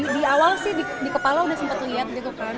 di awal sih di kepala udah sempet liat gitu kan